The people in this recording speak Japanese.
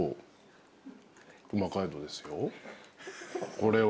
これは。